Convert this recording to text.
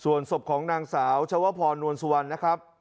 ส่วนศพของนางสาวชวพรนวลสุวรรณนะครับ